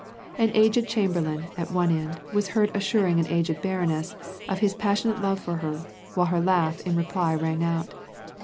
An aged chamberlain, at oiw end, wiis heard assuring an aged baroness of his ]>assionate lov(» for her, while her laugh in reply rang out.